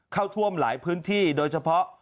เข้าท่วมหลายพื้นที่โดยเฉพาะ